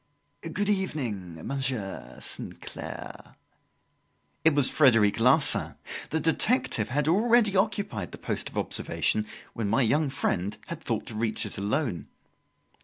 "Good evening, Monsieur Sainclair!" It was Frederic Larsan. The detective had already occupied the post of observation when my young friend had thought to reach it alone.